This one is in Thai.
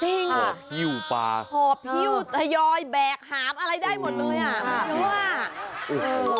จริงหอบพิวปลาหอบพิวยอยแบกหาบอะไรได้หมดเลยอ่ะไม่รู้อ่ะ